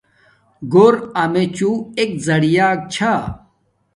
گھور امچوں ایک زیعہ چھا